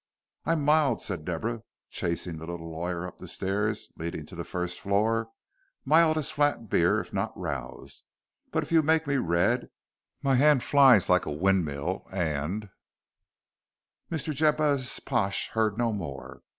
I'm mild," said Deborah, chasing the little lawyer up the stairs leading to the first floor, "mild as flat beer if not roused: but if you make me red, my 'and flies like a windmill, and " Mr. Jabez Pash heard no more.